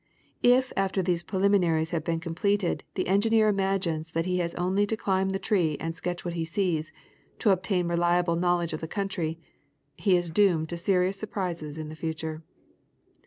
If after these preliminaries have been completed the engineer imagines that he has only to climb the tree and sketch what he sees, to obtain reliable knowledge of the country, he is doomed to serious surprises in the future.